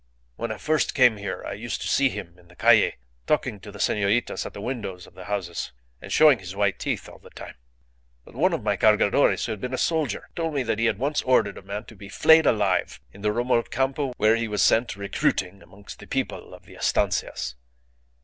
When I first came here I used to see him in the Calle talking to the senoritas at the windows of the houses, and showing his white teeth all the time. But one of my Cargadores, who had been a soldier, told me that he had once ordered a man to be flayed alive in the remote Campo, where he was sent recruiting amongst the people of the Estancias.